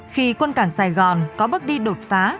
khi quân cảng sài gòn có bước đi đột phá